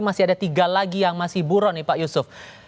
masih ada tiga lagi yang masih buron nih pak yusuf